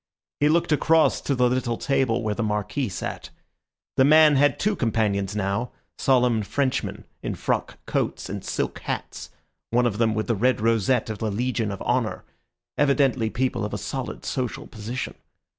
He looked across to the little table where the Marquis sat. The man had two companions now, solemn Frenchmen in frock coats and silk hats, one of them with the red rosette of the Legion of Honour, evidently people of a solid social position.